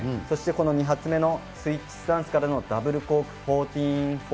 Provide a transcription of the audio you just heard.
そして、この２発目のスイッチスタンスからのダブルコーク１４４０。